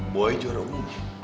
boy juara umum